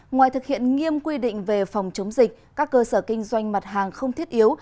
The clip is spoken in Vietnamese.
ngoài thực hiện nghiêm quy định về phòng chống dịch các cơ sở kinh doanh mặt hàng không thiết yếu